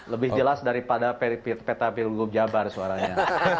lebih jelas daripada peta pilgub jabar suaranya